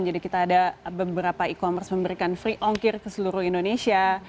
jadi kita ada beberapa e commerce memberikan free ongkir ke seluruh indonesia